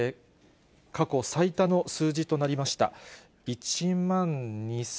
過去最多の数字となりました。